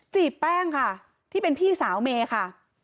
แป้งค่ะที่เป็นพี่สาวเมย์ค่ะ